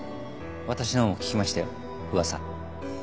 私の方も聞きましたよ噂。